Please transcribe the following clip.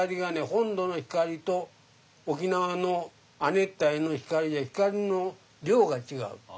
本土の光と沖縄の亜熱帯の光で光の量が違う。